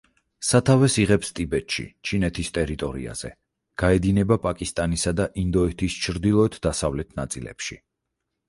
სათავეს იღებს ტიბეტში, ჩინეთის ტერიტორიაზე, გაედინება პაკისტანისა და ინდოეთის ჩრდილოეთ-დასავლეთ ნაწილებში.